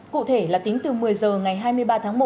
cụ thể là tính từ một mươi h ngày hai mươi ba tháng một